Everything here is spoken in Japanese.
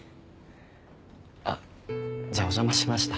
あっじゃあお邪魔しました。